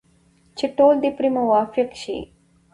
چې ټول دې پرې موافق شي.